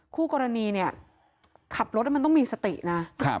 คู่กรณีเนี่ยขับรถแล้วมันต้องมีสตินะ